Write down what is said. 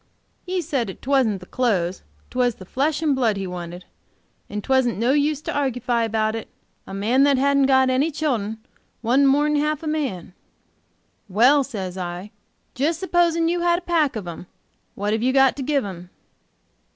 He said 'twasn't the clothes, 'twas the flesh and blood he wanted, and 'twasn't no use to argufy about it; a man that hadn't got any children wasn't mor'n half a man. 'Well,' says I, supposing you had a pack of, 'em, what have you got to give 'em?'